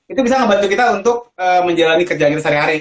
itu bisa ngebantu kita untuk menjalani kerjaan yang sehari hari